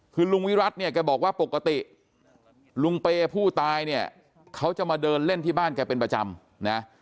คือลุงวิรัติเนี่ยแกบอกว่าปกติลุงเปย์ผู้ตายเนี่ยเขาจะมาเดินเล่นที่บ้านแกเป็นประจำนะ